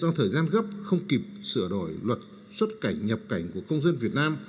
do thời gian gấp không kịp sửa đổi luật xuất cảnh nhập cảnh của công dân việt nam